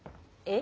え？